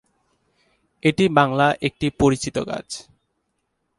এটি বাংলা একটি পরিচিত গাছ।